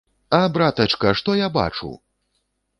А, братачка, што я бачу!